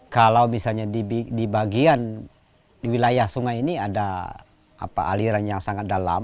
kalau misalnya di bagian di wilayah sungai ini ada aliran yang sangat dalam